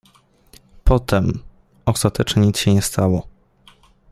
Potem: — Ostatecznie nic się nie stało.